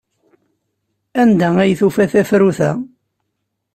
Anda ay tufa tafrut-a?